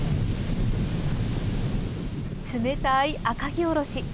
冷たい赤城おろし。